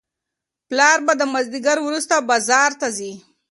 پلار به د مازیګر وروسته بازار ته ځي.